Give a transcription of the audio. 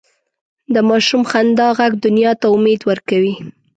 د ماشوم خندا ږغ دنیا ته امید ورکوي.